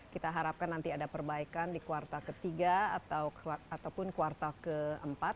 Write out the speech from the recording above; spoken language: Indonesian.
kita harapkan nanti ada perbaikan di kuartal ketiga ataupun kuartal keempat